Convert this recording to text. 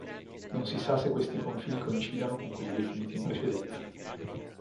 Non si sa se questi confini coincidano con quelli definiti in precedenza.